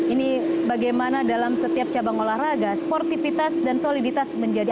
ini bagaimana dalam setiap cabang olahraga sportivitas dan soliditas menjadi